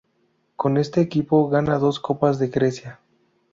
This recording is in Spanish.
Con este equipo gana dos Copas de Grecia.